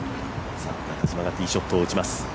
中島がティーショットを打ちます。